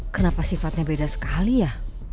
kenapa sifatnya beda sekali ya